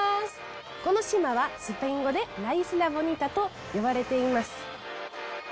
この島は、スペイン語でラ・イスラ・ボニータと言われています。